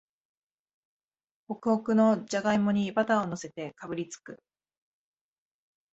ホクホクのじゃがいもにバターをのせてかぶりつく